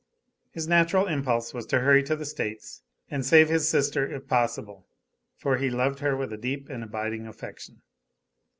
His natural impulse was to hurry to the States and save his sister if possible, for he loved her with a deep and abiding affection.